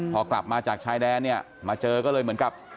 พอกลับมาจากชายแดนเนี่ยมาเจอก็เลยเหมือนกับ